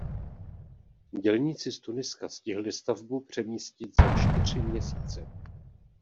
Dělníci z Tuniska stihli stavbu přemístit za čtyři měsíce.